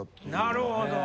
なるほど。